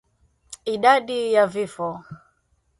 Idadi ya Vifo